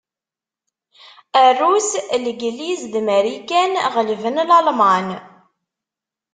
Rrus, Legliz d Marikan ɣelben Lalman.